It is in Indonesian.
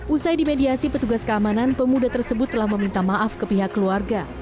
usai dimediasi petugas keamanan pemuda tersebut telah meminta maaf ke pihak keluarga